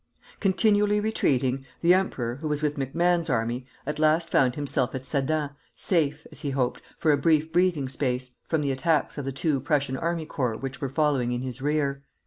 Continually retreating, the emperor, who was with MacMahon's army, at last found himself at Sedan, safe, as he hoped, for a brief breathing space, from the attacks of the two Prussian army corps which were following in his rear.